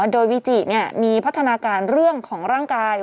โดยวิจิมีพัฒนาการเรื่องของร่างกาย